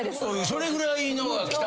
それぐらいのが来た？